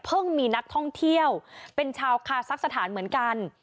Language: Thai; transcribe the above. มีนักท่องเที่ยวเป็นชาวคาซักสถานเหมือนกัน